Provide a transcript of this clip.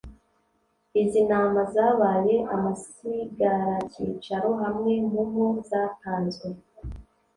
izi nama zabaye amasigaracyicaro hamwe mu ho zatanzwe